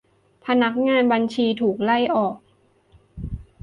พนักงานบัญชี ถูกไล่ออก